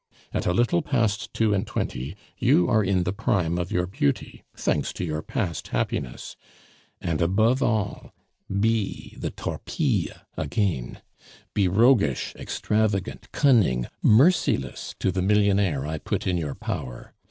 At a little past two and twenty you are in the prime of your beauty, thanks to your past happiness. And, above all, be the 'Torpille' again. Be roguish, extravagant, cunning, merciless to the millionaire I put in your power.